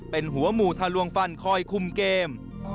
เป็นหัวหมู่ทะลวงฟันคอยคุมเกม